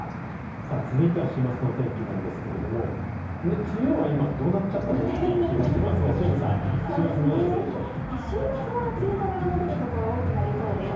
さあ、続いては週末のお天気なんですけれども、梅雨は今、どうなっちゃったのっていう気がしてますが、塩見さん、週末の天気どう週末は梅雨空が戻る所多くなりそうです。